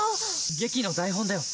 劇の台本だよ。